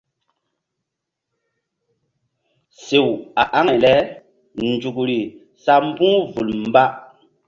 Sew a aŋay lenzukri sa mbu̧h vul mba.